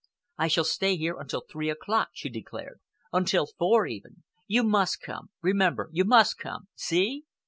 "I shall stay here until three o'clock," she declared,—"until four, even. You must come. Remember, you must come. See."